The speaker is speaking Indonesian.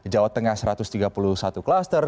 jawa tengah satu ratus tiga puluh satu kluster